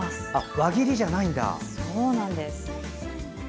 輪切りじゃないんだ。